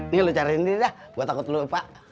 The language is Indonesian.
nih lu cariin ini dah gua takut lu lupa